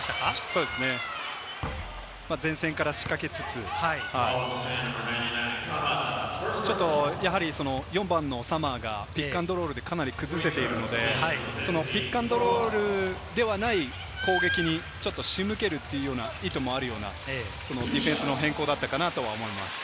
そうですね、前線から仕掛けつつ、４番のサマーがピックアンドロールでかなり崩せているので、ピックアンドロールではない攻撃に仕向けるというような意図もあるようなディフェンスの変更だったと思います。